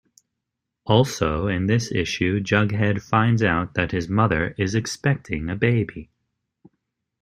Also, in this issue Jughead finds out that his mother is expecting a baby.